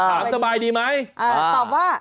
หามสบายดีไหมอ่าเออตอบว่า